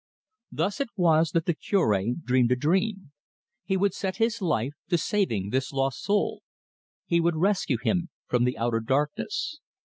Thus it was that the Cure dreamed a dream. He would set his life to saving this lost soul. He would rescue him from the outer darkness.